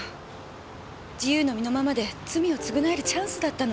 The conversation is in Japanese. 自由の身のままで罪を償えるチャンスだったのに。